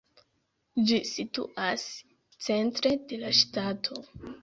Ĝi situas centre de la ŝtato.